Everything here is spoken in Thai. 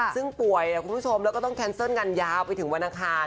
ซึ่งป่วยคุณผู้ชมแล้วก็ต้องแคนเซิลกันยาวไปถึงวันอังคาร